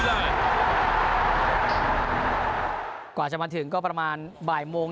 กว่าจะมาถึงก็ประมาณบ่ายโมง